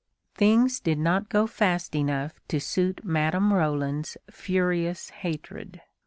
Things did not go fast enough to suit Madame Roland's furious hatred.